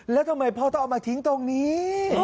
แล้วทำไมพ่อต้องเอามาทิ้งตรงนี้